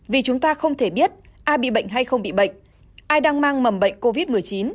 vì chúng ta không thể biết ai bị bệnh hay không bị bệnh ai đang mang mầm bệnh covid một mươi chín